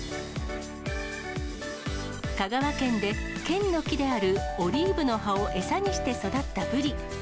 香川県で県の木であるオリーブの葉を餌にして育ったぶり。